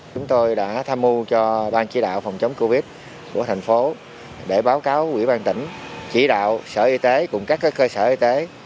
chúng tôi đã tham mưu cho ban chỉ đạo phòng chống covid của thành phố để báo cáo quỹ ban tỉnh chỉ đạo sở y tế cùng các cơ sở y tế